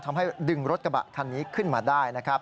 ทำให้ดึงรถกระบะคันนี้ขึ้นมาได้นะครับ